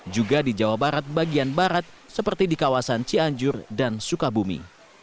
juga di jawa barat bagian barat seperti di kawasan cianjur dan sukabumi